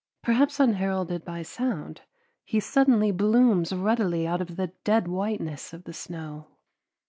Perhaps unheralded by sound, he suddenly blooms ruddily out of the dead whiteness of the snow.